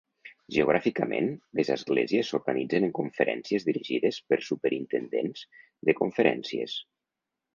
Geogràficament, les esglésies s'organitzen en conferències dirigides per superintendents de conferències.